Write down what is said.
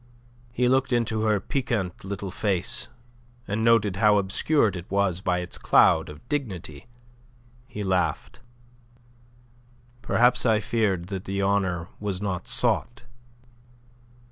He looked into her piquant little face, and noted how obscured it was by its cloud of dignity. He laughed. "Perhaps I feared that the honour was not sought."